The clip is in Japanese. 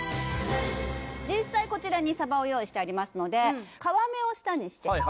実際こちらにさばを用意してありますので皮目を下にしてはい